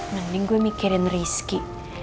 mending gue mikirin rizky